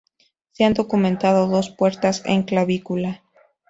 Se han documentado dos puertas en clavícula.